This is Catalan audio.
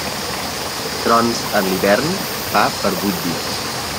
Trons en l'hivern, pa per vuit dies.